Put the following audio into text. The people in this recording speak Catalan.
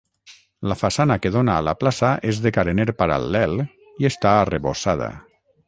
La façana que dóna a la plaça és de carener paral·lel i està arrebossada.